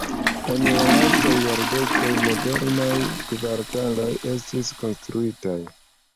En la lastaj jardekoj modernaj kvartaloj estis konstruitaj.